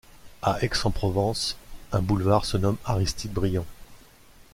À Aix-en-Provence, un boulevard se nomme Aristide-Briand.